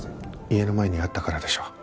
家の前にあったからでしょう。